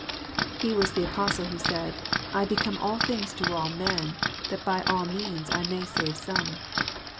He was the Apostle who said, " I become all things to all men, that by all means I may save some."